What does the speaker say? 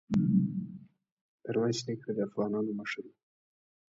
ميرويس نيکه د افغانانو مشر وو.